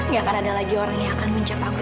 gak akan ada lagi orang yang akan menjapaku